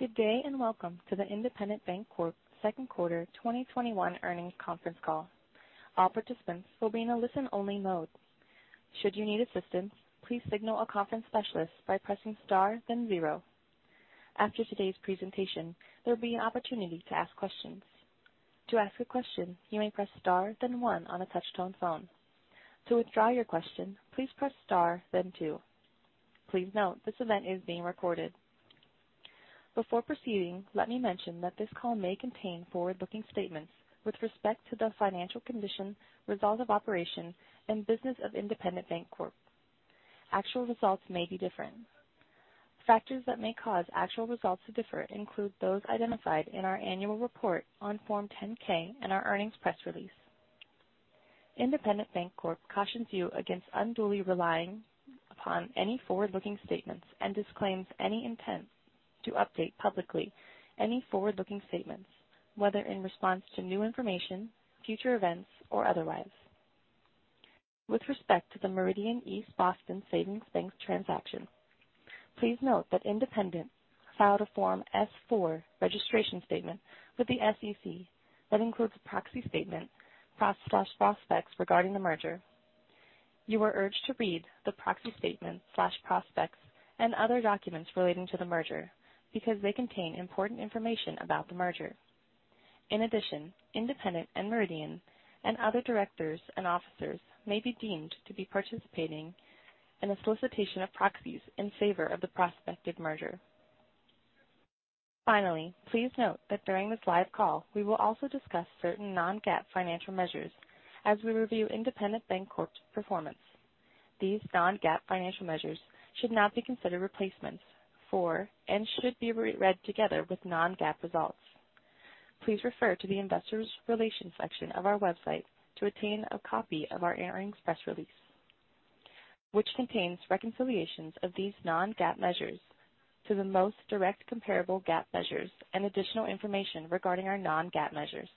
Good day. Welcome to the Independent Bank Corp second quarter 2021 earnings conference call. All participants will be in a listen-only mode. Should you need assistance, please signal a conference specialist by pressing star then zero. After today's presentation, there will be an opportunity to ask questions. To ask a question, you may press star then one on a touchtone phone. To withdraw your question, please press star then two. Please note, this event is being recorded. Before proceeding, let me mention that this call may contain forward-looking statements with respect to the financial condition, results of operation, and business of Independent Bank Corp. Actual results may be different. Factors that may cause actual results to differ include those identified in our annual report on Form 10-K and our earnings press release. Independent Bank Corp. cautions you against unduly relying upon any forward-looking statements and disclaims any intent to update publicly any forward-looking statements, whether in response to new information, future events, or otherwise. With respect to the Meridian East Boston Savings Bank transaction, please note that Independent filed a Form S-4 registration statement with the SEC that includes a Proxy Statement/prospectus regarding the merger. You are urged to read the Proxy Statement/prospectus and other documents relating to the merger because they contain important information about the merger. In addition, Independent and Meridian and other directors and officers may be deemed to be participating in a solicitation of proxies in favor of the prospective merger. Finally, please note that during this live call, we will also discuss certain non-GAAP financial measures as we review Independent Bank Corp.'s performance. These non-GAAP financial measures should not be considered replacements for and should be read together with non-GAAP results. Please refer to the investor relations section of our website to obtain a copy of our earnings press release, which contains reconciliations of these non-GAAP measures to the most direct comparable GAAP measures and additional information regarding our non-GAAP measures.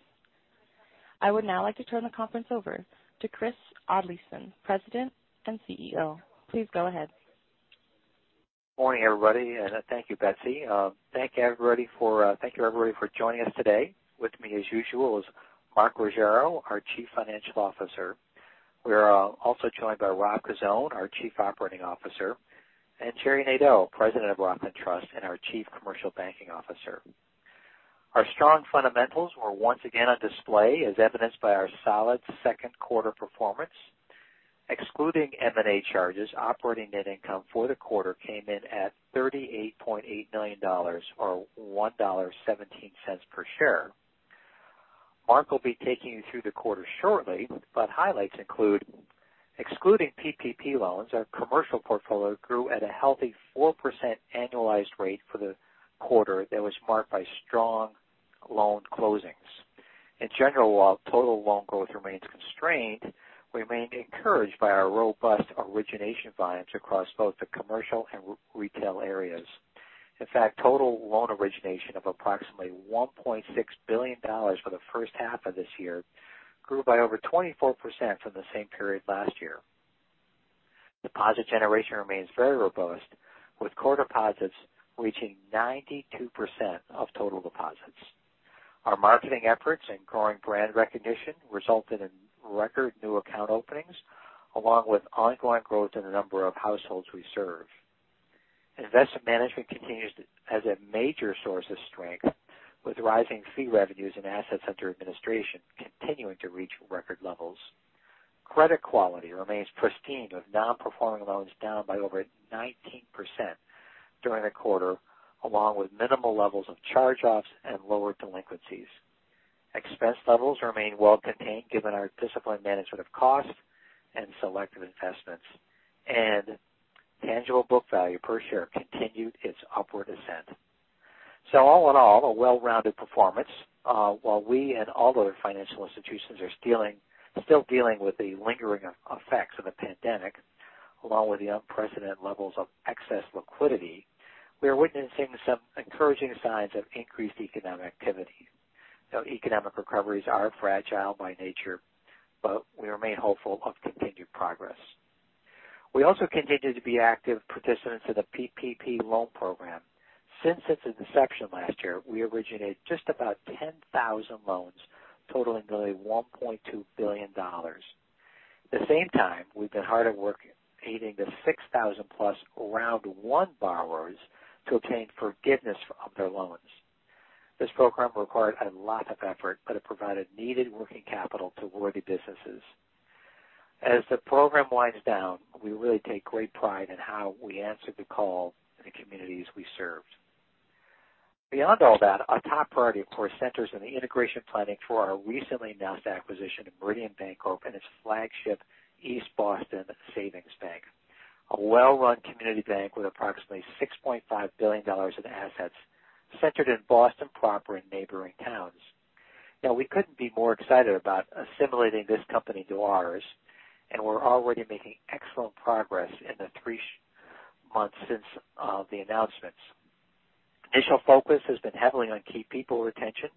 I would now like to turn the conference over to Chris Oddleifson, President and CEO. Please go ahead. Morning everybody thank you Betsy. Thank you, everybody, for joining us today. With me, as usual, is Mark Ruggiero, our Chief Financial Officer. We're also joined by Rob Cozzone, our Chief Operating Officer, and Gerry Nadeau, President of Rockland Trust and our Chief Commercial Banking Officer. Our strong fundamentals were once again on display as evidenced by our solid second quarter performance. Excluding M&A charges, operating net income for the quarter came in at $38.8 million, or $1.17 per share. Mark will be taking you through the quarter shortly, but highlights include excluding PPP loans, our commercial portfolio grew at a healthy 4% annualized rate for the quarter that was marked by strong loan closings. In general, while total loan growth remains constrained, we remain encouraged by our robust origination volumes across both the commercial and retail areas. Total loan origination of approximately $1.6 billion for the first half of this year grew by over 24% from the same period last year. Deposit generation remains very robust, with core deposits reaching 92% of total deposits. Our marketing efforts and growing brand recognition resulted in record new account openings, along with ongoing growth in the number of households we serve. Investment management continues as a major source of strength with rising fee revenues and assets under administration continuing to reach record levels. Credit quality remains pristine with non-performing loans down by over 19% during the quarter, along with minimal levels of charge-offs and lower delinquencies. Expense levels remain well contained given our disciplined management of costs and selective investments. Tangible book value per share continued its upward ascent. All in all, a well-rounded performance. While we and all other financial institutions are still dealing with the lingering effects of the pandemic, along with the unprecedented levels of excess liquidity, we are witnessing some encouraging signs of increased economic activity. Economic recoveries are fragile by nature, but we remain hopeful of continued progress. We also continue to be active participants in the PPP loan program. Since its inception last year, we originated just about 10,000 loans totaling nearly $1.2 billion. At the same time, we've been hard at work aiding the 6,000+ Round 1 borrowers to obtain forgiveness of their loans. This program required a lot of effort, but it provided needed working capital to worthy businesses. As the program winds down, we really take great pride in how we answered the call in the communities we served. Beyond all that, our top priority, of course, centers on the integration planning for our recently announced acquisition of Meridian Bancorp and its flagship East Boston Savings Bank, a well-run community bank with approximately $6.5 billion in assets centered in Boston proper and neighboring towns. We couldn't be more excited about assimilating this company to ours, and we're already making excellent progress in the three months since the announcements. Initial focus has been heavily on key people retention,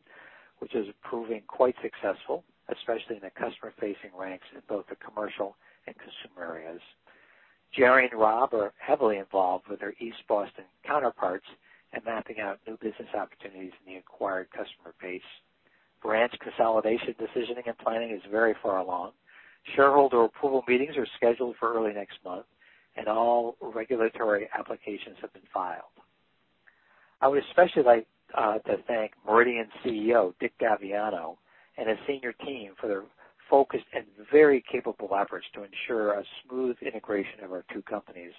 which is proving quite successful, especially in the customer facing ranks in both the commercial and consumer areas. Gerry and Rob are heavily involved with their East Boston counterparts in mapping out new business opportunities in the acquired customer base. Branch consolidation decisioning and planning is very far along. Shareholder approval meetings are scheduled for early next month, and all regulatory applications have been filed. I would especially like to thank Meridian CEO, Dick Gavegnano, and his senior team for their focused and very capable efforts to ensure a smooth integration of our two companies.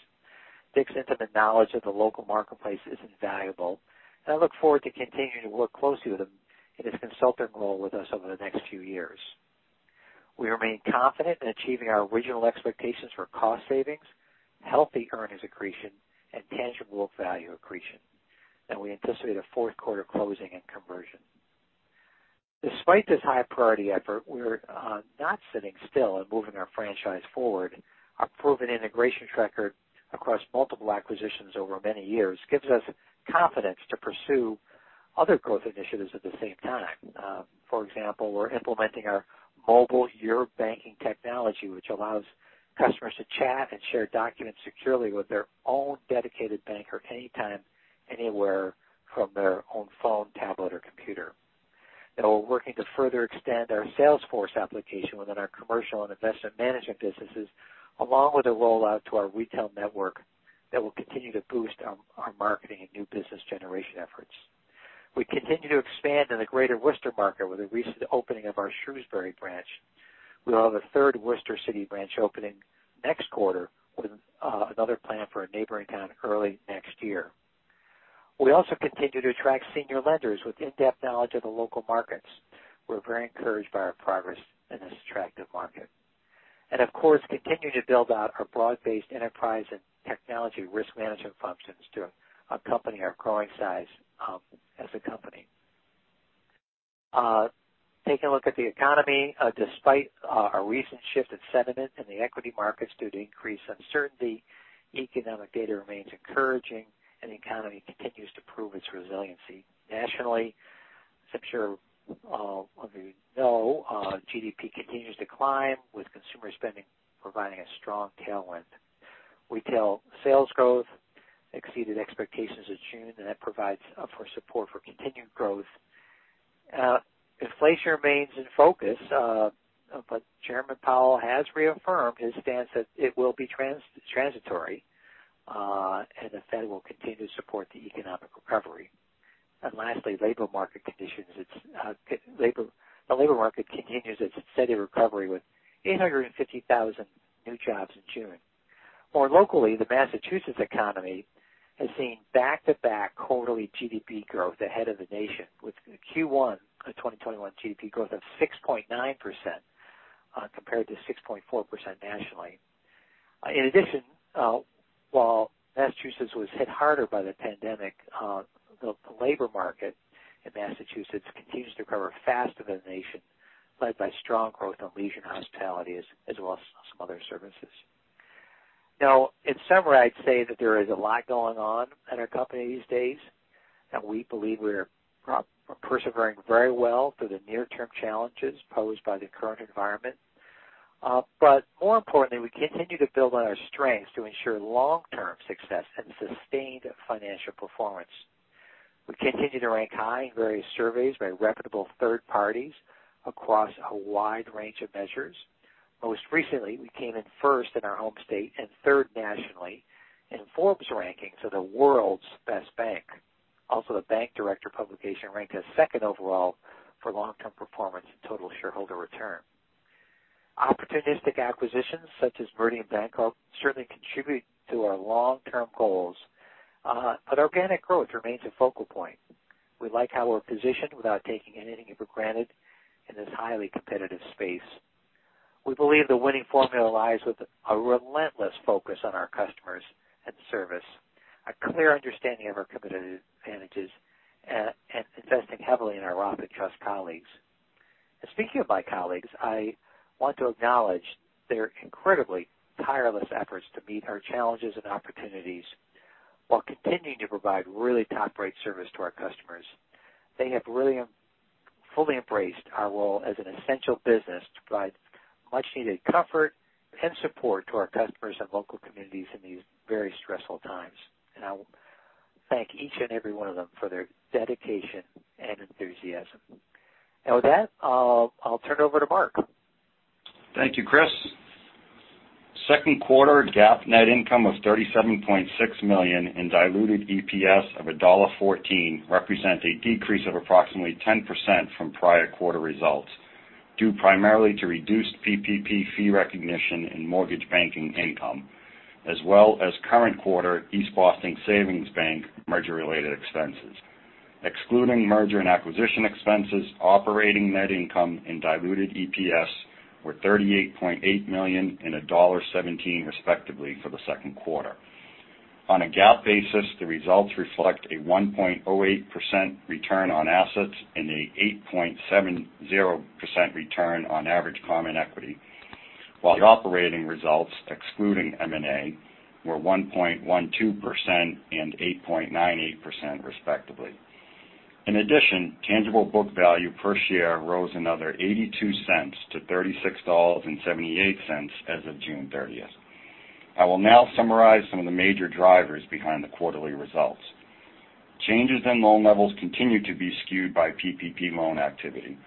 Dick's intimate knowledge of the local marketplace is invaluable, and I look forward to continuing to work closely with him in his consultant role with us over the next few years. We remain confident in achieving our original expectations for cost savings, healthy earnings accretion, and tangible book value accretion. We anticipate a fourth quarter closing and conversion. Despite this high priority effort, we're not sitting still in moving our franchise forward. Our proven integration record across multiple acquisitions over many years gives us confidence to pursue other growth initiatives at the same time. For example, we're implementing our mobile Your Banking technology, which allows customers to chat and share documents securely with their own dedicated banker anytime, anywhere, from their own phone, tablet, or computer. We're working to further extend our salesforce application within our commercial and investment management businesses, along with a rollout to our retail network that will continue to boost our marketing and new business generation efforts. We continue to expand in the greater Worcester market with the recent opening of our Shrewsbury branch. We'll have a third Worcester city branch opening next quarter with another plan for a neighboring town early next year. We also continue to attract senior lenders with in-depth knowledge of the local markets. We're very encouraged by our progress in this attractive market. Of course, continuing to build out our broad-based enterprise and technology risk management functions to accompany our growing size as a company. Taking a look at the economy, despite a recent shift in sentiment in the equity markets due to increased uncertainty, economic data remains encouraging, and the economy continues to prove its resiliency. Nationally, as I'm sure all of you know, GDP continues to climb, with consumer spending providing a strong tailwind. Retail sales growth exceeded expectations in June. That provides for support for continued growth. Inflation remains in focus. Chairman Powell has reaffirmed his stance that it will be transitory, and the Fed will continue to support the economic recovery. Lastly, labor market conditions. The labor market continues its steady recovery with 850,000 new jobs in June. More locally, the Massachusetts economy has seen back-to-back quarterly GDP growth ahead of the nation with Q1 2021 GDP growth of 6.9%, compared to 6.4% nationally. In addition, while Massachusetts was hit harder by the pandemic, the labor market in Massachusetts continues to recover faster than the nation, led by strong growth in leisure and hospitality, as well as some other services. Now, in summary, I'd say that there is a lot going on at our company these days, and we believe we are persevering very well through the near-term challenges posed by the current environment. More importantly, we continue to build on our strengths to ensure long-term success and sustained financial performance. We continue to rank high in various surveys by reputable third parties across a wide range of measures. Most recently, we came in first in our home state and third nationally in Forbes rankings of the world's best bank. The Bank Director publication ranked us second overall for long-term performance and total shareholder return. Opportunistic acquisitions such as Meridian Bancorp certainly contribute to our long-term goals. Organic growth remains a focal point. We like how we're positioned without taking anything for granted in this highly competitive space. We believe the winning formula lies with a relentless focus on our customers and service, a clear understanding of our competitive advantages, and investing heavily in our Rockland Trust colleagues. Speaking of my colleagues, I want to acknowledge their incredibly tireless efforts to meet our challenges and opportunities while continuing to provide really top-rate service to our customers. They have really fully embraced our role as an essential business to provide much needed comfort and support to our customers and local communities in these very stressful times. I thank each and every one of them for their dedication and enthusiasm. With that, I'll turn it over to Mark. Thank you, Chris. Second quarter GAAP net income of $37.6 million in diluted EPS of $1.14 represent a decrease of approximately 10% from prior quarter results, due primarily to reduced PPP fee recognition in Mortgage Banking Income, as well as current quarter East Boston Savings Bank merger-related expenses. Excluding merger and acquisition expenses, operating net income, and diluted EPS were $38.8 million and $1.17, respectively, for the second quarter. On a GAAP basis, the results reflect a 1.08% return on assets and an 8.70% return on average common equity, while the operating results, excluding M&A, were 1.12% and 8.98%, respectively. In addition, tangible book value per share rose another $0.82 to $36.78 as of June 30th, 2021. I will now summarize some of the major drivers behind the quarterly results. Changes in loan levels continue to be skewed by PPP loan activity.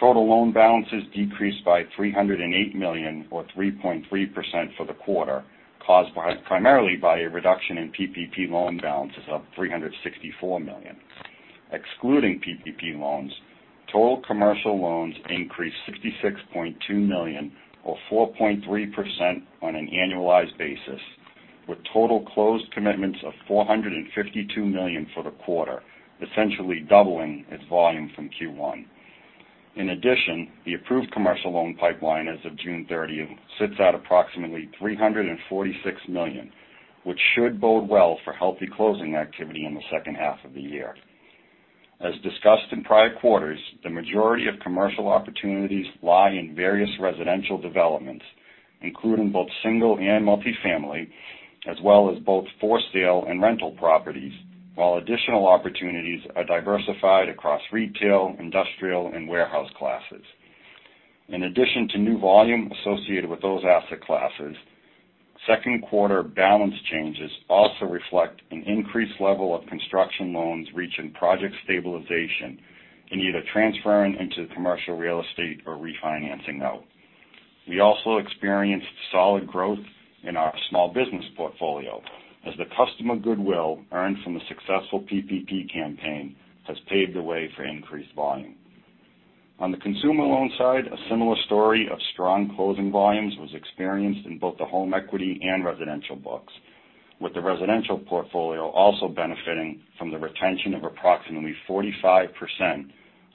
Total loan balances decreased by $308 million or 3.3% for the quarter, caused primarily by a reduction in PPP loan balances of $364 million. Excluding PPP loans, total commercial loans increased $66.2 million or 4.3% on an annualized basis, with total closed commitments of $452 million for the quarter, essentially doubling its volume from Q1. In addition, the approved commercial loan pipeline as of June 30th, 2021 sits at approximately $346 million, which should bode well for healthy closing activity in the second half of the year. As discussed in prior quarters, the majority of commercial opportunities lie in various residential developments, including both single and multi-family, as well as both for-sale and rental properties, while additional opportunities are diversified across retail, industrial, and warehouse classes. In addition to new volume associated with those asset classes, second quarter balance changes also reflect an increased level of construction loans reaching project stabilization in either transferring into commercial real estate or refinancing out. We also experienced solid growth in our small business portfolio as the customer goodwill earned from the successful PPP campaign has paved the way for increased volume. On the consumer loan side, a similar story of strong closing volumes was experienced in both the home equity and residential books, with the residential portfolio also benefiting from the retention of approximately 45%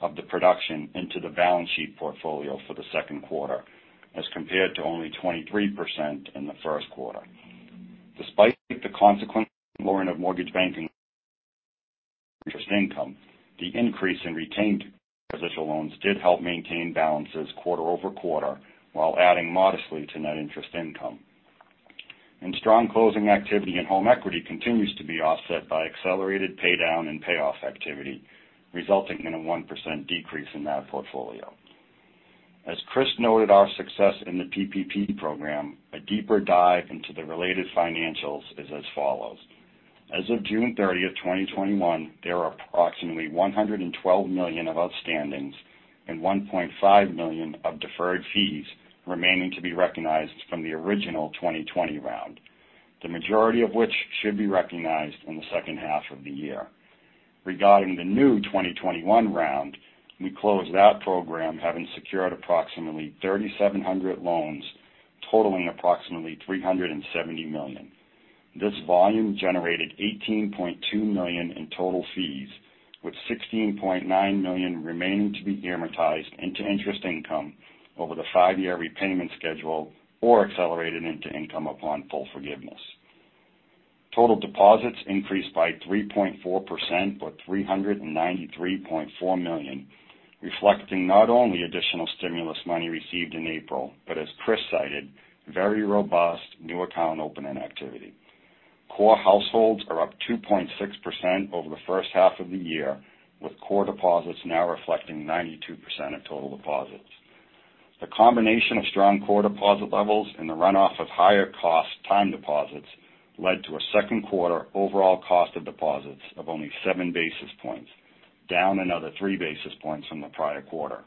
of the production into the balance sheet portfolio for the second quarter, as compared to only 23% in the first quarter. Despite the consequent lowering of mortgage banking interest income, the increase in retained residential loans did help maintain balances quarter-over-quarter, while adding modestly to net interest income. Strong closing activity in home equity continues to be offset by accelerated paydown and payoff activity, resulting in a 1% decrease in that portfolio. As Chris noted our success in the PPP program, a deeper dive into the related financials is as follows. As of June 30th, 2021, there are approximately $112 million of outstandings and $1.5 million of deferred fees remaining to be recognized from the original 2020 round, the majority of which should be recognized in the second half of the year. Regarding the new 2021 round, we closed that program having secured approximately 3,700 loans totaling approximately $370 million. This volume generated $18.2 million in total fees, with $16.9 million remaining to be amortized into interest income over the five-year repayment schedule or accelerated into income upon full forgiveness. Total deposits increased by 3.4% or $393.4 million, reflecting not only additional stimulus money received in April, as Chris cited, very robust new account opening activity. Core households are up 2.6% over the first half of the year, with core deposits now reflecting 92% of total deposits. The combination of strong core deposit levels and the runoff of higher cost time deposits led to a second quarter overall cost of deposits of only 7 basis points, down another 3 basis points from the prior quarter.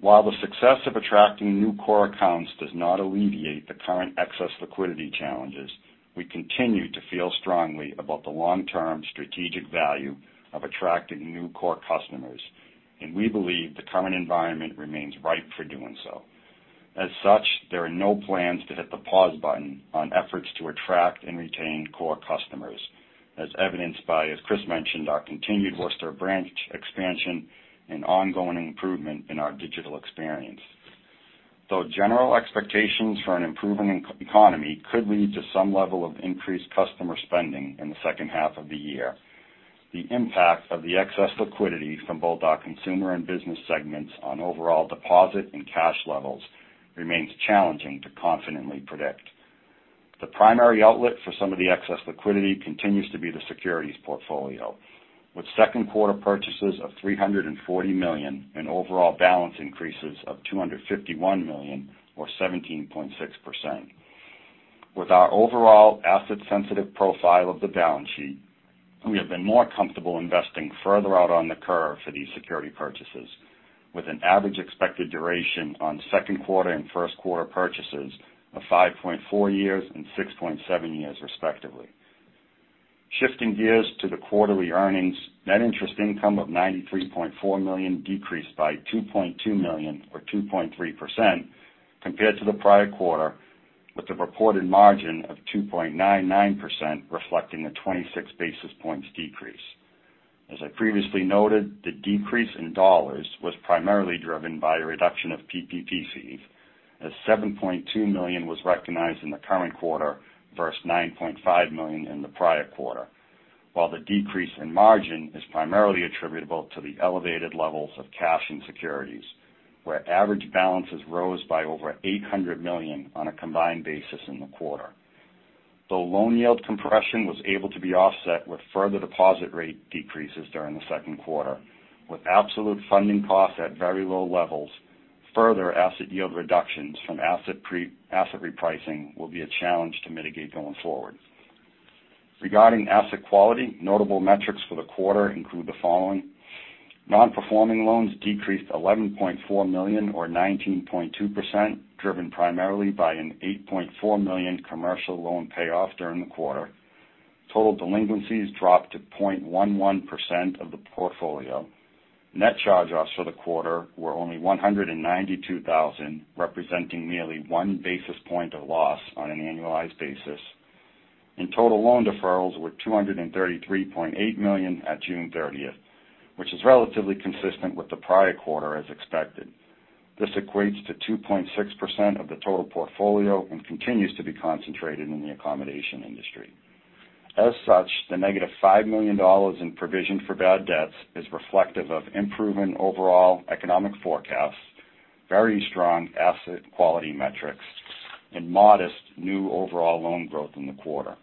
While the success of attracting new core accounts does not alleviate the current excess liquidity challenges, we continue to feel strongly about the long-term strategic value of attracting new core customers, we believe the current environment remains ripe for doing so. As such, there are no plans to hit the pause button on efforts to attract and retain core customers, as evidenced by, as Chris mentioned, our continued Worcester branch expansion and ongoing improvement in our digital experience. Though general expectations for an improving economy could lead to some level of increased customer spending in the second half of the year, the impact of the excess liquidity from both our consumer and business segments on overall deposit and cash levels remains challenging to confidently predict. The primary outlet for some of the excess liquidity continues to be the securities portfolio, with second quarter purchases of $340 million and overall balance increases of $251 million or 17.6%. With our overall asset-sensitive profile of the balance sheet, we have been more comfortable investing further out on the curve for these security purchases, with an average expected duration on second quarter and first quarter purchases of 5.4 years and 6.7 years respectively. Shifting gears to the quarterly earnings, net interest income of $93.4 million decreased by $2.2 million or 2.3% compared to the prior quarter, with a reported margin of 2.99%, reflecting a 26 basis points decrease. As I previously noted, the decrease in dollars was primarily driven by a reduction of PPP fees, as $7.2 million was recognized in the current quarter versus $9.5 million in the prior quarter. While the decrease in margin is primarily attributable to the elevated levels of cash and securities, where average balances rose by over $800 million on a combined basis in the quarter. The loan yield compression was able to be offset with further deposit rate decreases during the second quarter. With absolute funding costs at very low levels, further asset yield reductions from asset repricing will be a challenge to mitigate going forward. Regarding asset quality, notable metrics for the quarter include the following. Non-performing loans decreased $11.4 million, or 19.2%, driven primarily by an $8.4 million commercial loan payoff during the quarter. Total delinquencies dropped to 0.11% of the portfolio. Net charge-offs for the quarter were only $192,000, representing nearly 1 basis point of loss on an annualized basis. Total loan deferrals were $233.8 million at June 30th, 2021 which is relatively consistent with the prior quarter as expected. This equates to 2.6% of the total portfolio and continues to be concentrated in the accommodation industry. As such, the negative $5 million in provision for bad debts is reflective of improving overall economic forecasts, very strong asset quality metrics, and modest new overall loan growth in the quarter.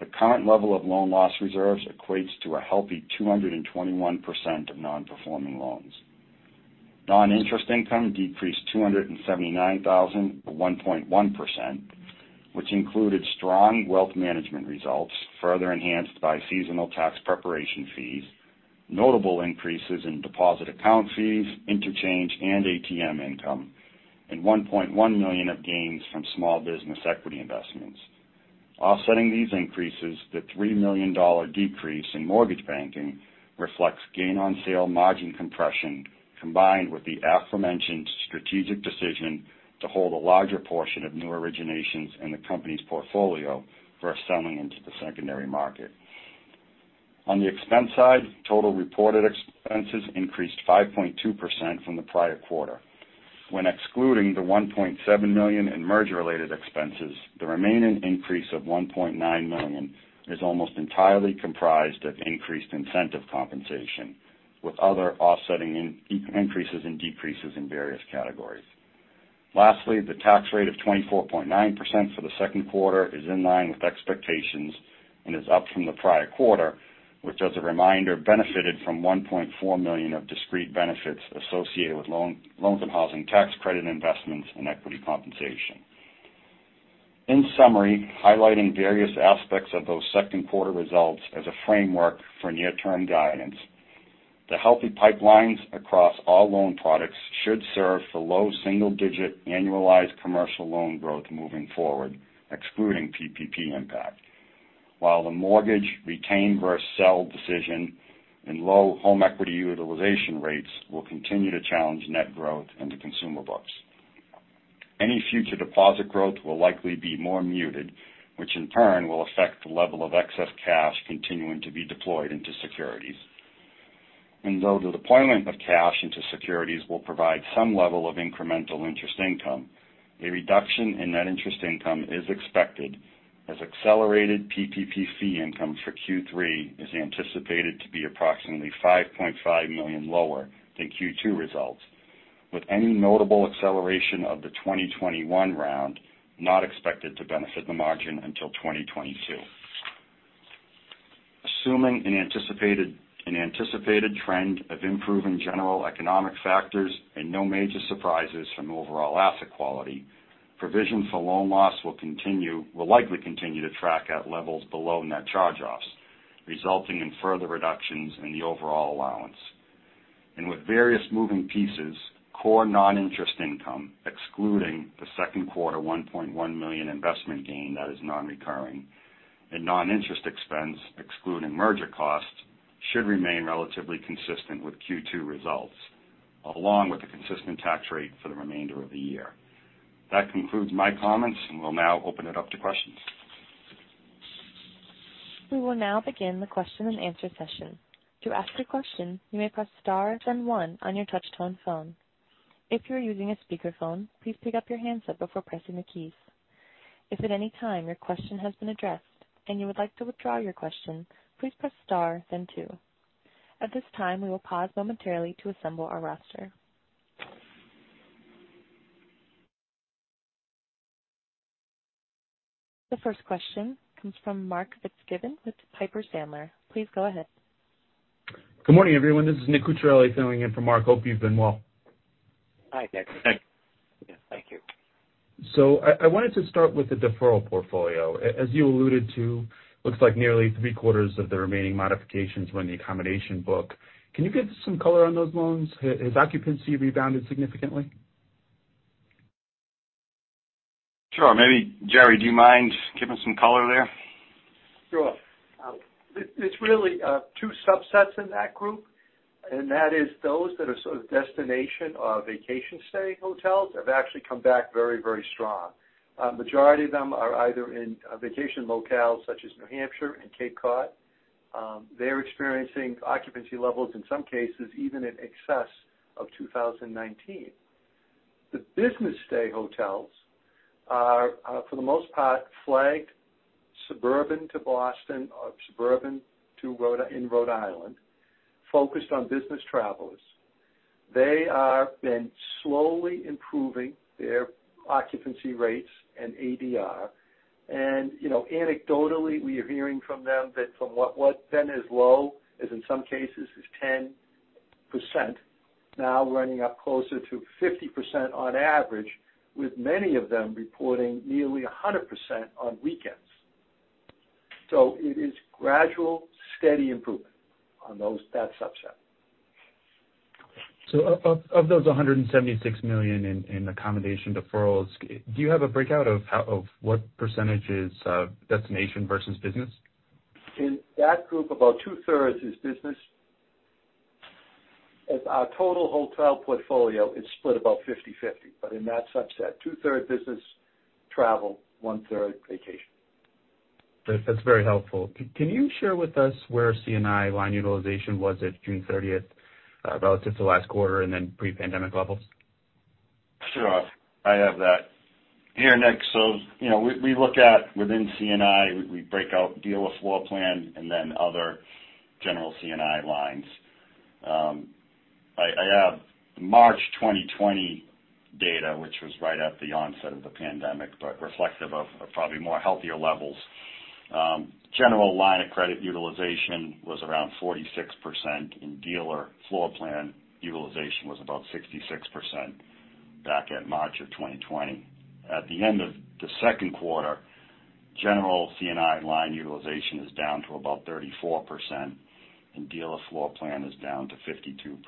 The current level of loan loss reserves equates to a healthy 221% of non-performing loans. Non-interest income decreased $279,000, or 1.1%, which included strong wealth management results, further enhanced by seasonal tax preparation fees, notable increases in deposit account fees, interchange and ATM income, and $1.1 million of gains from small business equity investments. Offsetting these increases, the $3 million decrease in mortgage banking reflects gain on sale margin compression, combined with the aforementioned strategic decision to hold a larger portion of new originations in the company's portfolio versus selling into the secondary market. On the expense side, total reported expenses increased 5.2% from the prior quarter. When excluding the $1.7 million in merger-related expenses, the remaining increase of $1.9 million is almost entirely comprised of increased incentive compensation, with other offsetting increases and decreases in various categories. Lastly, the tax rate of 24.9% for the second quarter is in line with expectations and is up from the prior quarter, which, as a reminder, benefited from $1.4 million of discrete benefits associated with loans and housing tax credit investments and equity compensation. In summary, highlighting various aspects of those second quarter results as a framework for near-term guidance. The healthy pipelines across all loan products should serve for low single-digit annualized commercial loan growth moving forward, excluding PPP impact. While the mortgage retain-versus sell decision and low home equity utilization rates will continue to challenge net growth in the consumer books. Any future deposit growth will likely be more muted, which in turn will affect the level of excess cash continuing to be deployed into securities. Though the deployment of cash into securities will provide some level of incremental interest income, a reduction in net interest income is expected as accelerated PPP fee income for Q3 is anticipated to be approximately $5.5 million lower than Q2 results, with any notable acceleration of the 2021 round not expected to benefit the margin until 2022. Assuming an anticipated trend of improving general economic factors and no major surprises from overall asset quality, provision for loan loss will likely continue to track at levels below net charge-offs, resulting in further reductions in the overall allowance. With various moving pieces, core non-interest income, excluding the second quarter $1.1 million investment gain that is non-recurring, and non-interest expense, excluding merger costs, should remain relatively consistent with Q2 results, along with a consistent tax rate for the remainder of the year. That concludes my comments, and we'll now open it up to questions. The first question comes from Mark Fitzgibbon with Piper Sandler. Please go ahead. Good morning, everyone. This is Nick Cucharale filling in for Mark. Hope you've been well. Hi, Nick. Nick. Yeah, thank you. I wanted to start with the deferral portfolio. As you alluded to, looks like nearly three-quarters of the remaining modifications were in the accommodation book. Can you give some color on those loans? Has occupancy rebounded significantly? Sure. Maybe, Gerry, do you mind giving some color there? Sure. It's really two subsets in that group, and that is those that are sort of destination or vacation stay hotels have actually come back very, very strong. Majority of them are either in vacation locales such as New Hampshire and Cape Cod. They're experiencing occupancy levels, in some cases, even in excess of 2019. The business stay hotels are, for the most part, flagged suburban to Boston or suburban in Rhode Island, focused on business travelers. They have been slowly improving their occupancy rates and ADR. Anecdotally, we are hearing from them that from what has been as low as in some cases is 10%, now running up closer to 50% on average, with many of them reporting nearly 100% on weekends. It is gradual, steady improvement on that subset. Of those $176 million in accommodation deferrals, do you have a breakout of what % is destination versus business? In that group, about 2/3 is business. As our total hotel portfolio is split about 50/50. In that subset, 2/3 business travel, 1/3 vacation. That's very helpful. Can you share with us where C&I line utilization was at June 30th, relative to last quarter and then pre-pandemic levels? Sure. I have that here, Nick. We look at within C&I, we break out dealer floor plan and then other general C&I lines. I have March 2020 data, which was right at the onset of the pandemic, but reflective of probably more healthier levels. general line of credit utilization was around 46%, and dealer floor plan utilization was about 66% back in March of 2020. At the end of the second quarter, general C&I line utilization is down to about 34%, and dealer floor plan is down to 52%.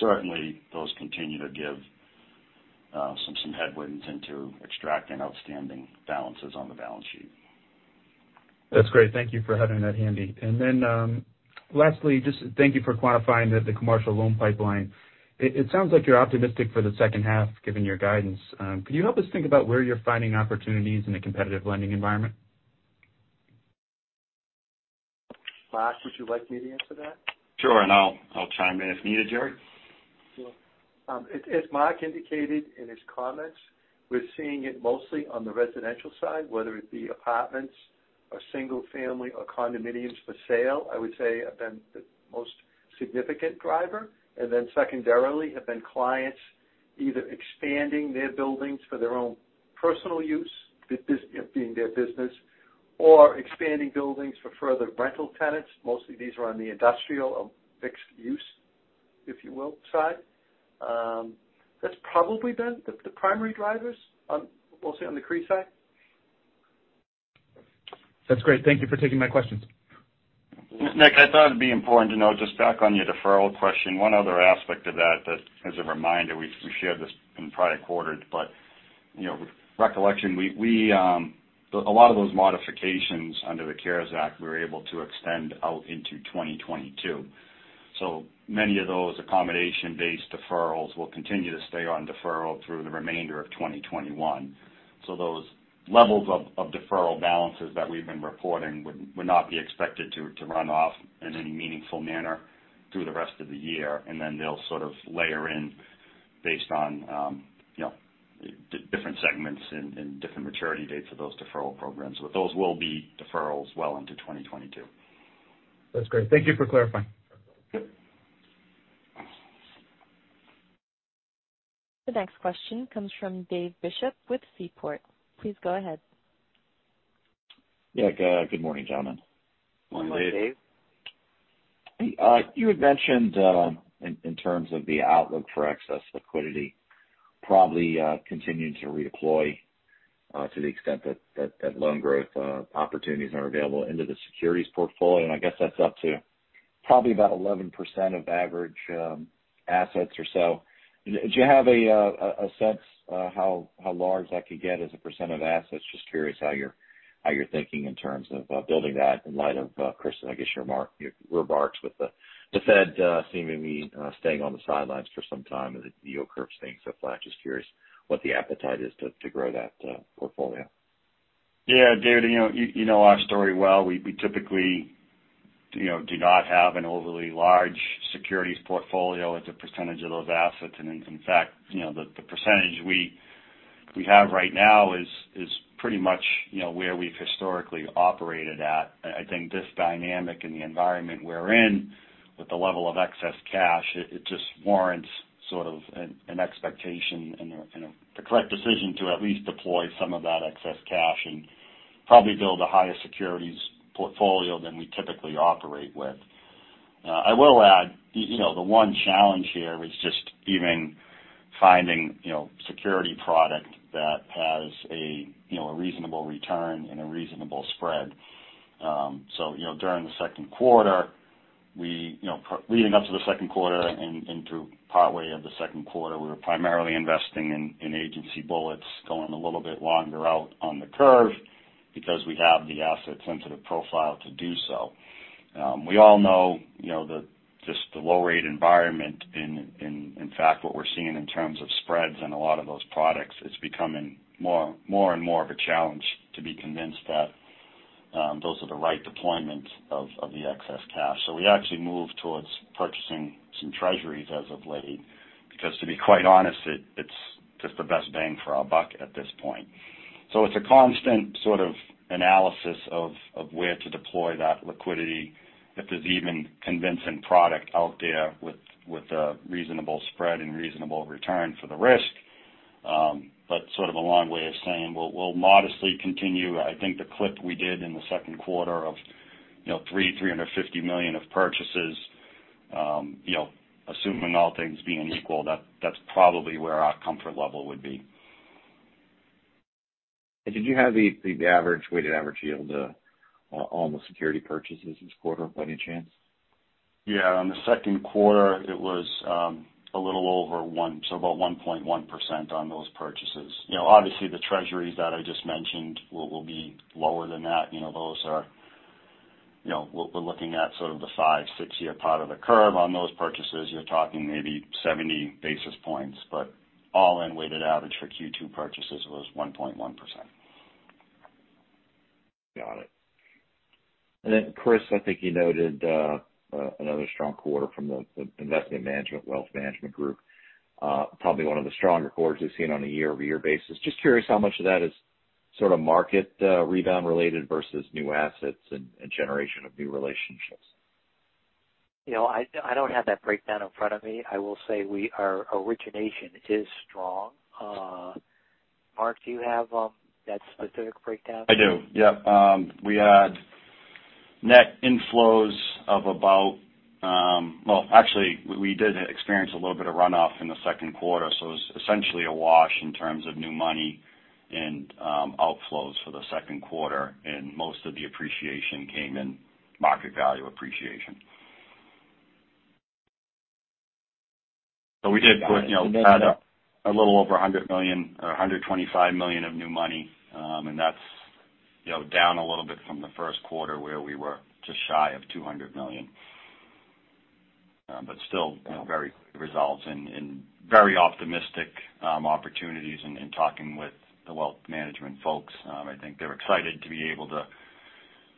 Certainly, those continue to give some headwinds into extracting outstanding balances on the balance sheet. That's great. Thank you for having that handy. Lastly, just thank you for clarifying that the commercial loan pipeline. It sounds like you're optimistic for the second half, given your guidance. Could you help us think about where you're finding opportunities in a competitive lending environment? Mark, would you like me to answer that? Sure. I'll chime in if needed, Gerry. Sure. As Mark indicated in his comments, we're seeing it mostly on the residential side, whether it be apartments or single-family or condominiums for-sale, I would say have been the most significant driver. Secondarily have been clients either expanding their buildings for their own personal use, being their business, or expanding buildings for further rental tenants. Mostly these are on the industrial or mixed-use, if you will, side. That's probably been the primary drivers mostly on the CRE side. That's great. Thank you for taking my questions. Nick, I thought it'd be important to note, just back on your deferral question, one other aspect of that, as a reminder, we shared this in prior quarters, but recollection, a lot of those modifications under the CARES Act were able to extend out into 2022. Many of those accommodation-based deferrals will continue to stay on deferral through the remainder of 2021. Those levels of deferral balances that we've been reporting would not be expected to run off in any meaningful manner through the rest of the year. Then they'll sort of layer in based on different segments and different maturity dates of those deferral programs. Those will be deferrals well into 2022. That's great. Thank you for clarifying. Yep. The next question comes from Dave Bishop with Seaport. Please go ahead. Yeah. Good morning, gentlemen. Morning, Dave. Good morning, Dave. You had mentioned, in terms of the outlook for excess liquidity, probably continuing to redeploy to the extent that loan growth opportunities are available into the securities portfolio, and I guess that's up to probably about 11% of average assets or so. Do you have a sense how large that could get as a % of assets? Just curious how you're thinking in terms of building that in light of, Chris Oddleifson, I guess your remarks with the Fed seeming to be staying on the sidelines for some time and the yield curves staying so flat. Just curious what the appetite is to grow that portfolio. Yeah, David, you know our story well. We typically do not have an overly large securities portfolio as a percentage of those assets. In fact, the percentage we have right now is pretty much where we've historically operated at. I think this dynamic and the environment we're in, with the level of excess cash, it just warrants sort of an expectation and the correct decision to at least deploy some of that excess cash and probably build a higher securities portfolio than we typically operate with. I will add, the one challenge here is just even finding security product that has a reasonable return and a reasonable spread. During the second quarter, leading up to the second quarter and through partway of the second quarter, we were primarily investing in agency bullets going a little bit longer out on the curve because we have the asset sensitive profile to do so. We all know just the low rate environment. In fact, what we're seeing in terms of spreads on a lot of those products, it's becoming more and more of a challenge to be convinced that those are the right deployment of the excess cash. We actually moved towards purchasing some treasuries as of late because to be quite honest It's the best bang for our buck at this point. It's a constant sort of analysis of where to deploy that liquidity if there's even convincing product out there with a reasonable spread and reasonable return for the risk. Sort of a long way of saying we'll modestly continue, I think the clip we did in the second quarter of $300 million-$350 million of purchases, assuming all things being equal, that's probably where our comfort level would be. Did you have the weighted average yield on the security purchases this quarter by any chance? Yeah. On the second quarter it was a little over 1, so about 1.1% on those purchases. Obviously the Treasuries that I just mentioned will be lower than that. We're looking at sort of the five-six year part of the curve on those purchases. You're talking maybe 70 basis points, but all in weighted average for Q2 purchases was 1.1%. Got it. Chris, I think you noted another strong quarter from the investment management, wealth management group. Probably one of the stronger quarters we've seen on a year-over-year basis. Just curious how much of that is sort of market rebound related versus new assets and generation of new relationships. I don't have that breakdown in front of me. I will say our origination is strong. Mark, do you have that specific breakdown? I do, yep. We had net inflows of about-- well, actually, we did experience a little bit of runoff in the second quarter. It was essentially a wash in terms of new money and outflows for the second quarter. Most of the appreciation came in market value appreciation. We did add a little over $100 million or $125 million of new money. That's down a little bit from the first quarter where we were just shy of $200 million. Still very good results and very optimistic opportunities in talking with the wealth management folks. I think they're excited to be able to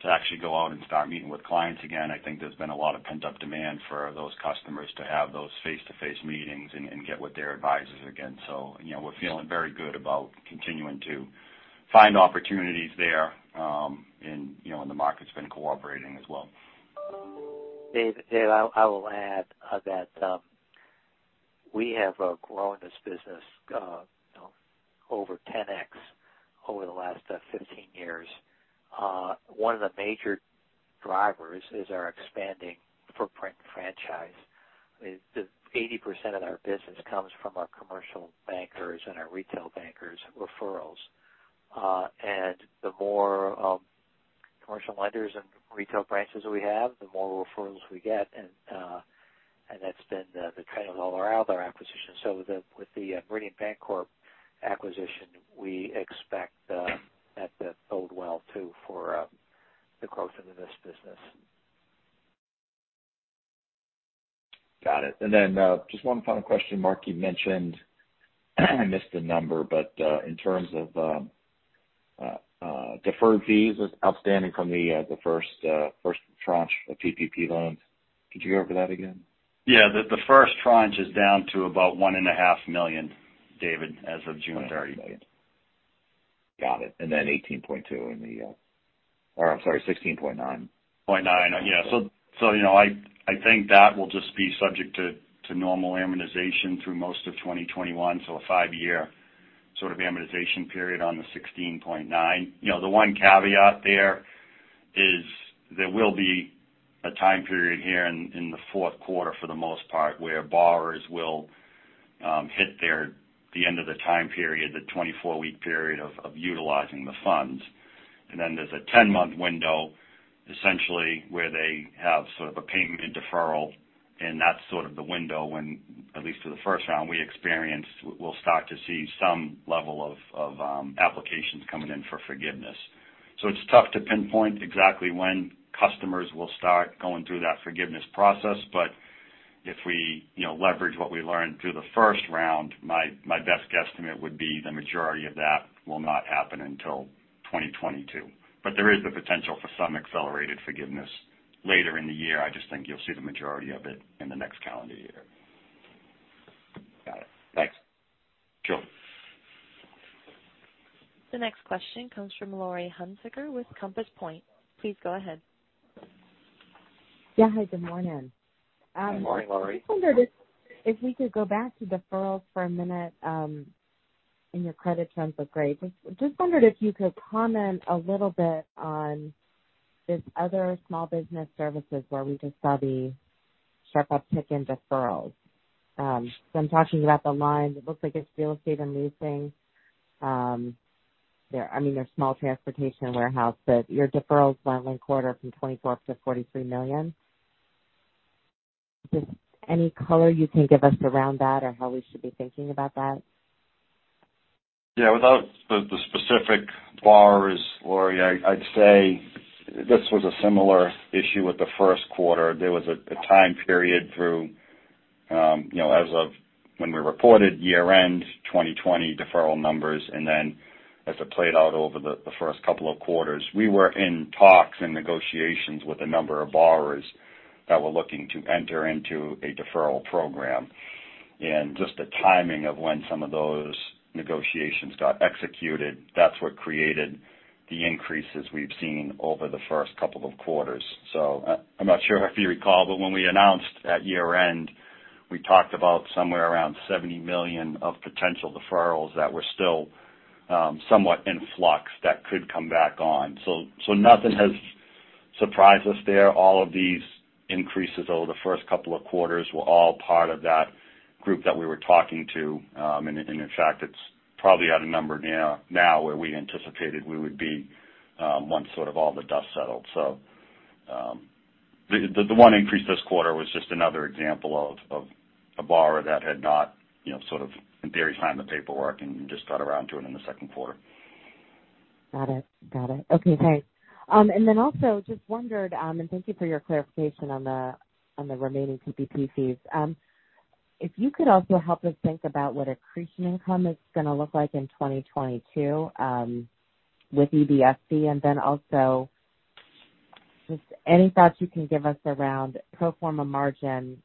actually go out and start meeting with clients again. I think there's been a lot of pent-up demand for those customers to have those face-to-face meetings and get with their advisers again. We're feeling very good about continuing to find opportunities there, and the market's been cooperating as well. Dave, I will add that we have grown this business over 10X over the last 15 years. One of the major drivers is our expanding footprint franchise. 80% of our business comes from our commercial bankers and our retail bankers referrals. The more commercial lenders and retail branches we have, the more referrals we get. That's been the trend of all our acquisitions. With the Meridian Bancorp acquisition, we expect that to bode well too for the growth into this business. Got it. Just one final question. Mark, you mentioned, I missed the number, but in terms of deferred fees outstanding from the first tranche of PPP loans. Could you go over that again? Yeah. The first tranche is down to about $1.5 million, Dave, as of June 30. Got it. Then 18.2 or I'm sorry, 16.9. 0.9. Yeah. I think that will just be subject to normal amortization through most of 2021. A five-year sort of amortization period on the 16.9. The one caveat there is there will be a time period here in the 4th quarter for the most part where borrowers will hit the end of the time period, the 24-week period of utilizing the funds. Then there's a 10-month window essentially where they have sort of a payment deferral, and that's sort of the window when, at least for the first round we experienced, we'll start to see some level of applications coming in for forgiveness. It's tough to pinpoint exactly when customers will start going through that forgiveness process. If we leverage what we learned through the first round, my best guesstimate would be the majority of that will not happen until 2022. There is the potential for some accelerated forgiveness later in the year. I just think you'll see the majority of it in the next calendar year. Got it. Thanks. Sure. The next question comes from Laurie Hunsicker with Compass Point. Please go ahead. Yeah. Hi, good morning. Good morning, Laurie. Just wondered if we could go back to deferrals for a minute and your credit trends look great. Just wondered if you could comment a little bit on this other small business services where we just saw the sharp uptick in deferrals. I'm talking about the line, it looks like it's real estate and leasing. They're small transportation warehouse, but your deferrals by one quarter from 24 up to $43 million. Just any color you can give us around that or how we should be thinking about that? Yeah. Without the specific borrowers, Laurie, I'd say this was a similar issue with the first quarter. There was a time period through as of when we reported year-end 2020 deferral numbers, and then as it played out over the first couple of quarters. We were in talks and negotiations with a number of borrowers that were looking to enter into a deferral program. Just the timing of when some of those negotiations got executed, that's what created the increases we've seen over the first couple of quarters. I'm not sure if you recall, but when we announced at year-end, we talked about somewhere around $70 million of potential deferrals that were still somewhat in flux that could come back on. Nothing has surprised us there. All of these increases over the first couple of quarters were all part of that group that we were talking to. In fact, it's probably at a number now where we anticipated we would be, once sort of all the dust settled. The one increase this quarter was just another example of a borrower that had not, in theory, signed the paperwork and just got around to it in the second quarter. Got it. Okay, thanks. Then also just wondered, and thank you for your clarification on the remaining PPP fees. If you could also help us think about what accretion income is going to look like in 2022, with EBSB, and then also just any thoughts you can give us around pro forma margin,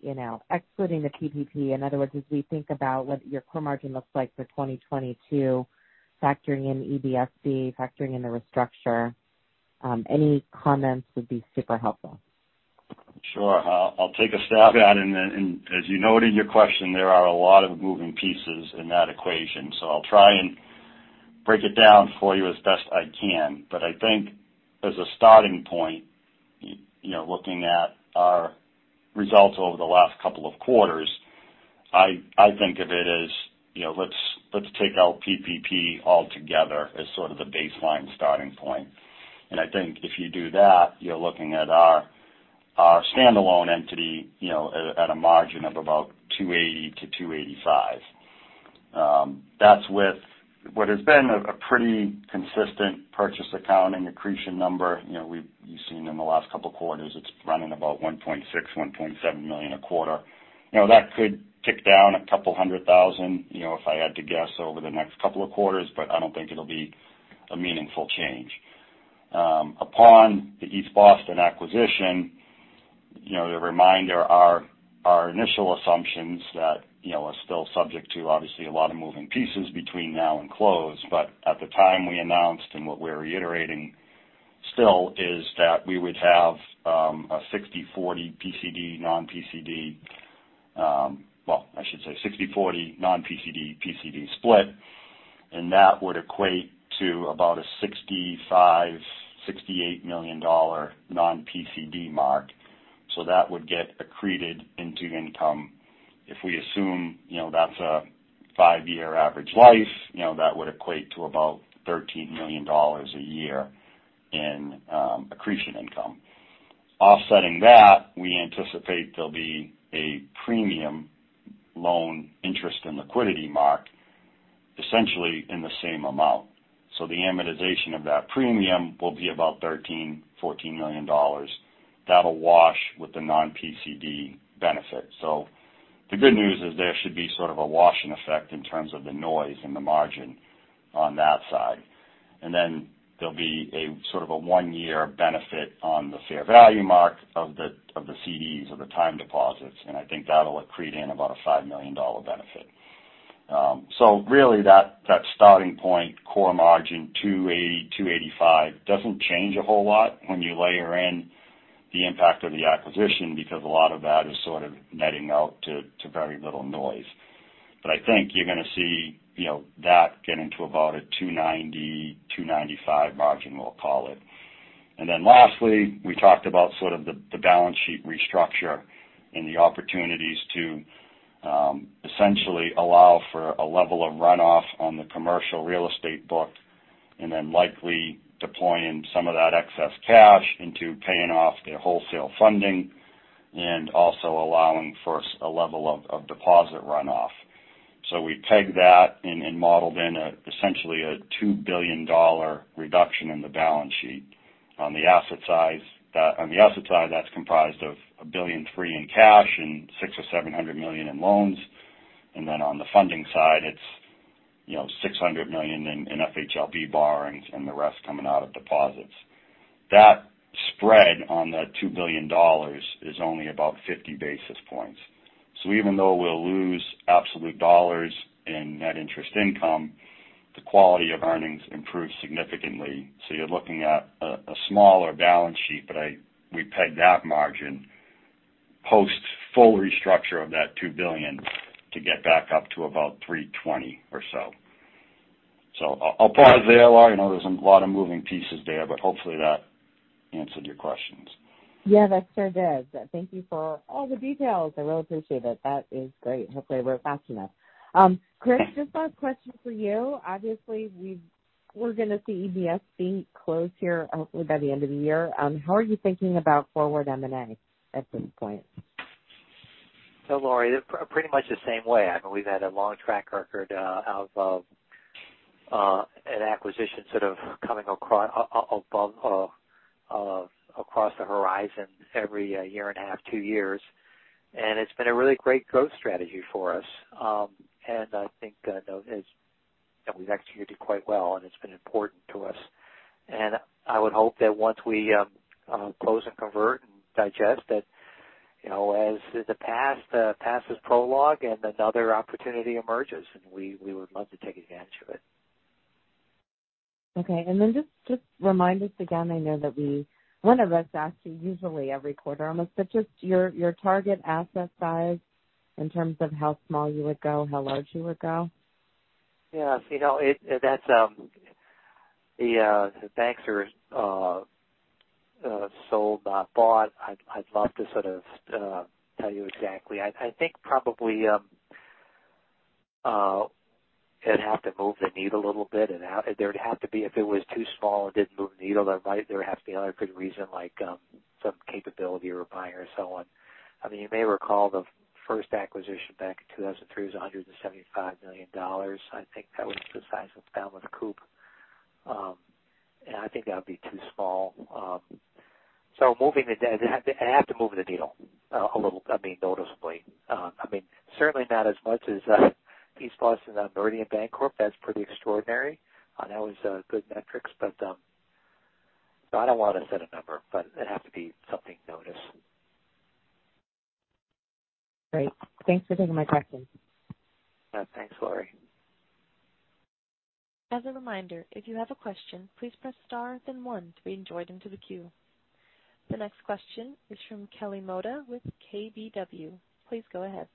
excluding the PPP. In other words, as we think about what your core margin looks like for 2022, factoring in EBSB, factoring in the restructure, any comments would be super helpful. Sure. I'll take a stab at it. As you noted in your question, there are a lot of moving pieces in that equation. I'll try and break it down for you as best I can. I think as a starting point, looking at our results over the last two quarters, I think of it as, let's take out PPP altogether as sort of the baseline starting point. I think if you do that, you're looking at our standalone entity at a margin of about 280-285 basis points. That's with what has been a pretty consistent purchase accounting accretion number. You've seen in the last two quarters, it's running about $1.6 million-$1.7 million a quarter. That could tick down $200,000, if I had to guess, over the next two quarters, but I don't think it'll be a meaningful change. Upon the East Boston acquisition, the reminder, our initial assumptions that are still subject to obviously a lot of moving pieces between now and close, but at the time we announced, and what we're reiterating still, is that we would have a 60/40 non-PCD, PCD split, and that would equate to about a $65 million-$68 million non-PCD mark. That would get accreted into income. If we assume that's a five-year average life, that would equate to about $13 million a year in accretion income. Offsetting that, we anticipate there'll be a premium loan interest and liquidity mark essentially in the same amount. The amortization of that premium will be about $13 million-$14 million. That'll wash with the non-PCD benefit. The good news is there should be sort of a washing effect in terms of the noise in the margin on that side. There'll be a one-year benefit on the fair value mark of the CDs or the time deposits, and I think that'll accrete in about a $5 million benefit. Really that starting point core margin, 280-285, doesn't change a whole lot when you layer in the impact of the acquisition because a lot of that is sort of netting out to very little noise. I think you're going to see that getting to about a 290-295 margin, we'll call it. Lastly, we talked about the balance sheet restructure and the opportunities to essentially allow for a level of runoff on the commercial real estate book, then likely deploying some of that excess cash into paying off their wholesale funding and also allowing for a level of deposit runoff. We take that and modeled in essentially a $2 billion reduction in the balance sheet. On the asset side, that's comprised of $1 billion free in cash and $600 million or $700 million in loans. On the funding side, it's $600 million in FHLB borrowings and the rest coming out of deposits. That spread on the $2 billion is only about 50 basis points. Even though we'll lose absolute dollars in net interest income, the quality of earnings improves significantly. You're looking at a smaller balance sheet. We pegged that margin post full restructure of that $2 billion to get back up to about 320 or so. I'll pause there, Laurie. I know there's a lot of moving pieces there, but hopefully that answered your questions. Yeah, that sure did. Thank you for all the details. I really appreciate it. That is great. Hopefully, we're fast enough. Chris, just a question for you. Obviously, we're going to see EBSB close here hopefully by the end of the year. How are you thinking about forward M&A at this point? Laurie, pretty much the same way. I mean, we've had a long track record of an acquisition sort of coming across the horizon every year and a half, two years, and it's been a really great growth strategy for us. I think we've executed quite well, and it's been important to us. I would hope that once we close and convert and digest that, as the past is prologue, and another opportunity emerges, and we would love to take advantage of it. Okay. Just remind us again, I know that one of us asks you usually every quarter almost, but just your target asset size in terms of how small you would go, how large you would go. Yes. Banks are sold, not bought. I'd love to sort of tell you exactly. I think probably it'd have to move the needle a little bit, and if it was too small, it didn't move the needle, there would have to be another good reason like some capability you were buying or so on. You may recall the first acquisition back in 2003 was $175 million. I think that was the size of Falmouth Co-operative Bank. I think that would be too small. It'd have to move the needle a little, noticeably. Certainly not as much as East Boston Savings Bank on Meridian Bancorp. That's pretty extraordinary. That was good metrics, but I don't want to set a number, but it'd have to be something noticeable. Great. Thanks for taking my question. Thanks, Laurie. As a reminder, if you have a question, please press star then one to be joined into the queue. The next question is from Kelly Motta with KBW. Please go ahead.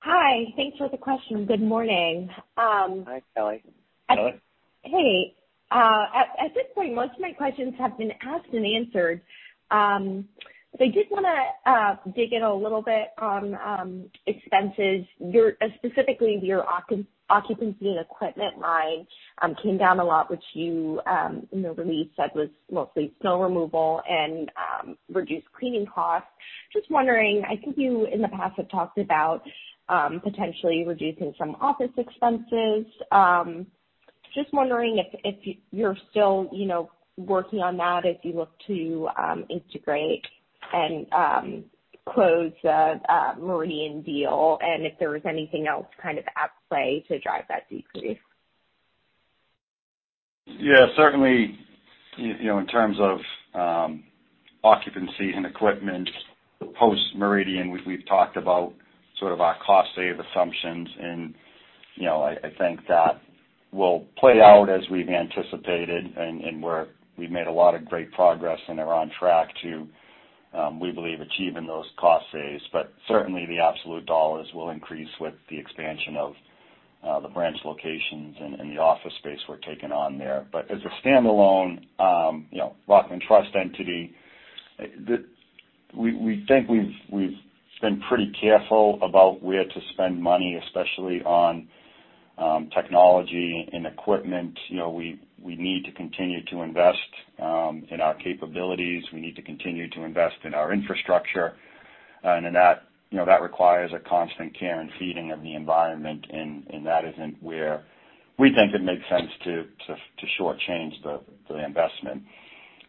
Hi. Thanks for the question. Good morning. Hi, Kelly. Hey. At this point, most of my questions have been asked and answered. I did want to dig in a little bit on expenses. Specifically, your occupancy and equipment line came down a lot, which you in the release said was mostly snow removal and reduced cleaning costs. Just wondering, I think you, in the past, have talked about potentially reducing some office expenses. Just wondering if you're still working on that as you look to integrate and close the Meridian deal, and if there was anything else kind of at play to drive that decrease. Certainly, in terms of occupancy and equipment, post Meridian, we've talked about sort of our cost save assumptions, and I think that will play out as we've anticipated, and we've made a lot of great progress, and are on track to, we believe, achieving those cost saves. Certainly the absolute dollars will increase with the expansion of the branch locations and the office space we're taking on there. As a standalone Rockland Trust entity, we think we've been pretty careful about where to spend money, especially on technology and equipment. We need to continue to invest in our capabilities. We need to continue to invest in our infrastructure. That requires a constant care and feeding of the environment, and that isn't where we think it makes sense to shortchange the investment.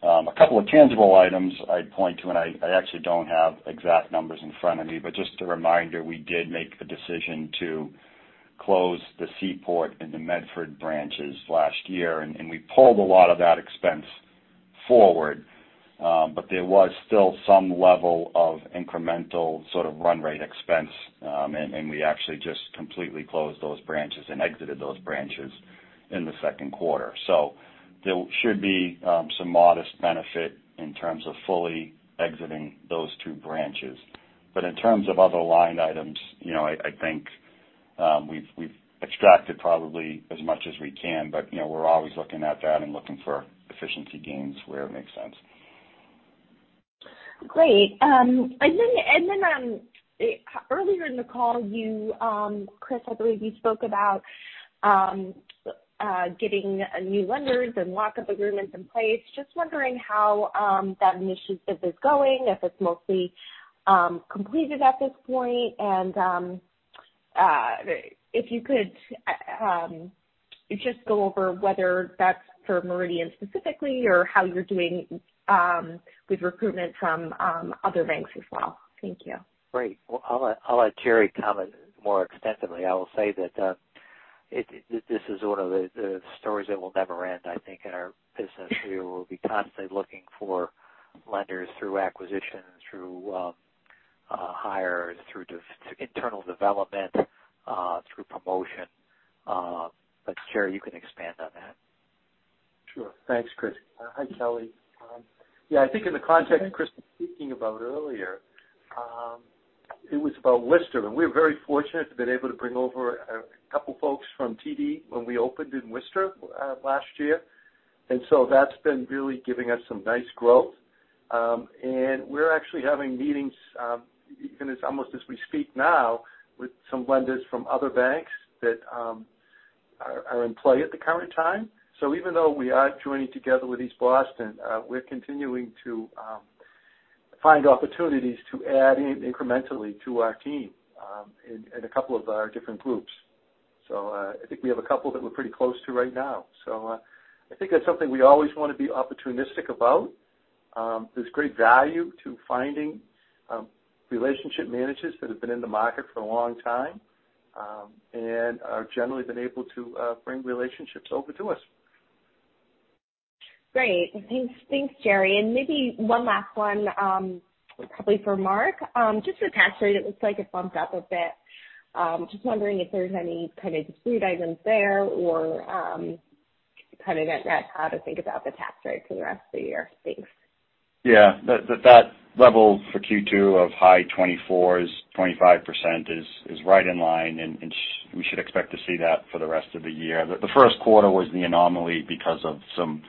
A couple of tangible items I'd point to. I actually don't have exact numbers in front of me. Just a reminder, we did make the decision to close the Seaport and the Medford branches last year. We pulled a lot of that expense forward. There was still some level of incremental sort of run rate expense. We actually just completely closed those branches and exited those branches in the Q2. There should be some modest benefit in terms of fully exiting those two branches. In terms of other line items, I think we've extracted probably as much as we can. We're always looking at that and looking for efficiency gains where it makes sense. Great. Earlier in the call, Chris, I believe you spoke about getting new lenders and lock-up agreements in place. Just wondering how that initiative is going, if it's mostly completed at this point. If you could just go over whether that's for Meridian specifically or how you're doing with recruitment from other banks as well. Thank you. Great. Well, I'll let Gerry comment more extensively. I will say that this is one of the stories that will never end, I think, in our business. We will be constantly looking for lenders through acquisition, through hires, through internal development, through promotion. Gerry, you can expand on that. Sure. Thanks, Chris. Hi, Kelly. Yeah, I think in the context Chris was speaking about earlier, it was about Worcester. We're very fortunate to have been able to bring over a couple folks from TD when we opened in Worcester last year. That's been really giving us some nice growth. Even though we are joining together with East Boston, we're continuing to find opportunities to add incrementally to our team in a couple of our different groups. I think we have a couple that we're pretty close to right now. I think that's something we always want to be opportunistic about. There's great value to finding relationship managers that have been in the market for a long time and have generally been able to bring relationships over to us. Great. Thanks, Gerry. Maybe one last one, probably for Mark. Just for the tax rate, it looks like it bumped up a bit. Just wondering if there's any kind of discrete items there or how to think about the tax rate for the rest of the year. Thanks. Yeah. That level for Q2 of high 24s, 25% is right in line, and we should expect to see that for the rest of the year. The first quarter was the anomaly because of some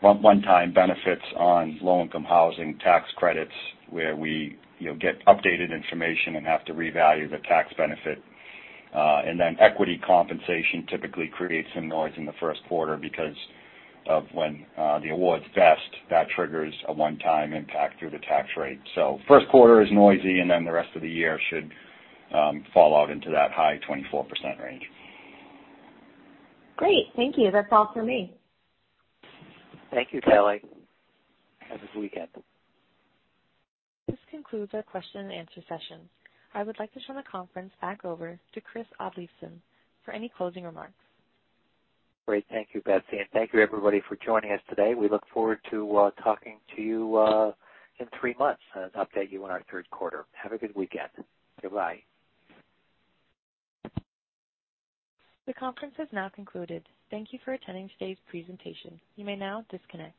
one-time benefits on low-income housing tax credits, where we get updated information and have to revalue the tax benefit. Then equity compensation typically creates some noise in the first quarter because of when the awards vest, that triggers a one-time impact through the tax rate. The first quarter is noisy, and then the rest of the year should fall out into that high 24% range. Great. Thank you. That's all for me. Thank you, Kelly. Have a good weekend. This concludes our question and answer session. I would like to turn the conference back over to Chris Oddleifson for any closing remarks. Great. Thank you, Betsy, and thank you, everybody, for joining us today. We look forward to talking to you in three months to update you on our third quarter. Have a good weekend. Goodbye. The conference has now concluded. Thank you for attending today's presentation. You may now disconnect.